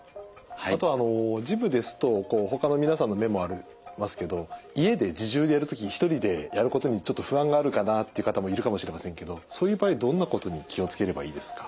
あとはジムですとほかの皆さんの目もありますけど家で自重でやる時に１人でやることにちょっと不安があるかなって方もいるかもしれませんけどそういう場合どんなことに気を付ければいいですか？